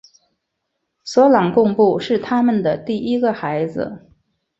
索朗贡布是他们的第一个孩子。